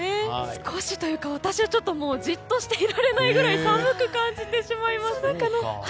少しというか私はじっとしていられないぐらい寒く感じてしまいます。